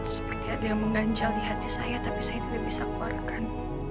seperti ada yang mengganjal di hati saya tapi saya tidak bisa keluarkan